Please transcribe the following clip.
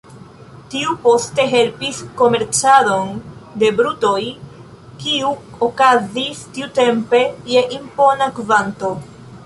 Tiu poste helpis komercadon de brutoj, kiu okazis tiutempe je impona kvanto.